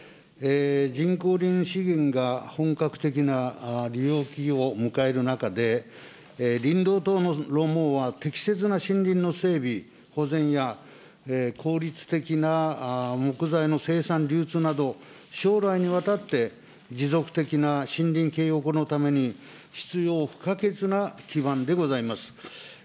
人工林資源が本格的な利用期を迎える中で、林道等の路網は適切な森林の整備、保全や、効率的な木材の生産流通など、将来にわたって、持続的な森林のために、必要不可欠な基盤でございます。